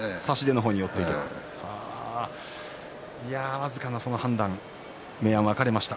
僅かな判断、明暗が分かれました。